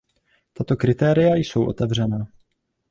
Tato kritéria jsou otevřená.